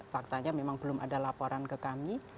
faktanya memang belum ada laporan ke kami